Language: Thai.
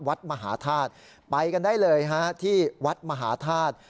วัดมหาธาตุไปกันได้เลยฮะที่วัดมหาธาตุ